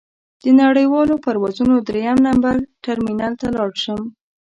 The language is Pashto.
د نړیوالو پروازونو درېیم نمبر ټرمینل ته لاړ شم.